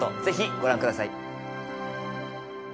ぜひご覧ください